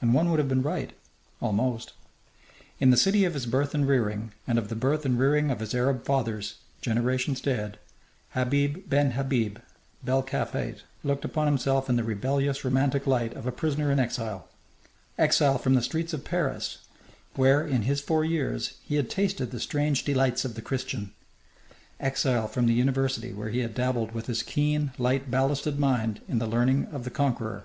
And one would have been right, almost. In the city of his birth and rearing, and of the birth and rearing of his Arab fathers generations dead, Habib ben Habib bel Kalfate looked upon himself in the rebellious, romantic light of a prisoner in exile exile from the streets of Paris where, in his four years, he had tasted the strange delights of the Christian exile from the university where he had dabbled with his keen, light ballasted mind in the learning of the conqueror.